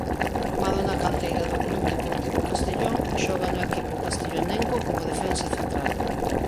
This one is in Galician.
Formado na canteira do Club Deportivo Castellón xoga no equipo castellonenco como defensa central.